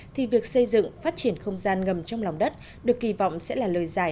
thì việc xây dựng phát triển không gian ngầm trong lòng đất được kỳ vọng sẽ là lời giải